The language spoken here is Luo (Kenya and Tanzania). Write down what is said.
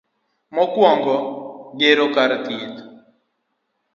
Mokwongo, gero kar thieth,